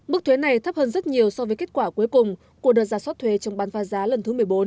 mức thuế này thấp hơn rất nhiều so với kết quả cuối cùng của đợt giả soát thuế chống bán pha giá lần thứ một mươi bốn